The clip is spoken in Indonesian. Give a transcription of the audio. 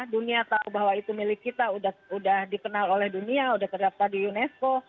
dunia tahu bahwa itu milik kita sudah dikenal oleh dunia udah terdaftar di unesco